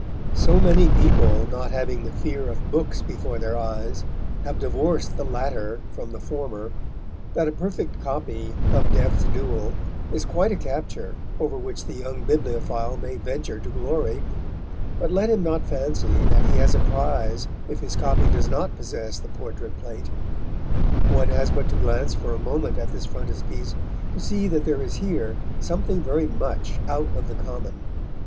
So many people, not having the fear of books before their eyes, have divorced the latter from the former, that a perfect copy of Death's Duel is quite a capture over which the young bibliophile may venture to glory; but let him not fancy that he has a prize if his copy does not possess the portrait plate. One has but to glance for a moment at this frontispiece to see that there is here something very much out of the common.